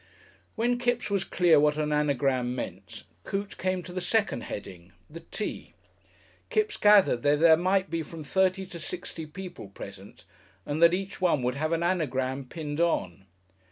When Kipps was clear what an anagram meant, Coote came to the second heading, the Tea. Kipps gathered there might be from thirty to sixty people present, and that each one would have an anagram pinned on.